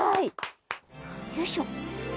よいしょ。